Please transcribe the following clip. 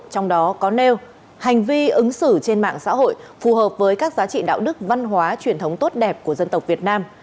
trong đó có nêu hành vi ứng xử trên mạng xã hội phù hợp với các giá trị đạo đức văn hóa truyền thống tốt đẹp của dân tộc việt nam